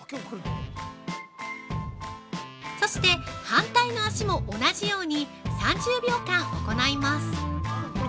◆そして反対の脚も同じように３０秒間行います。